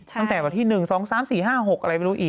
ตั้งแต่วันที่๑๒๓๔๕๖อะไรไม่รู้อีก